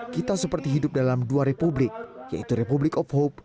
kita seperti hidup dalam dua republik yaitu republik of hope